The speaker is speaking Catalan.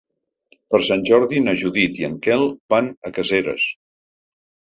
Per Sant Jordi na Judit i en Quel van a Caseres.